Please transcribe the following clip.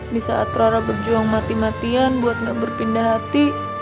di saat rara berjuang mati matian buat nggak berpindah hati